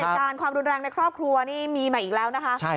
เหตุการณ์ความรุนแรงในครอบครัวนี่มีมาอีกแล้วนะคะ